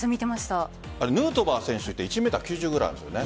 ヌートバー選手１ｍ９０くらいあるんです。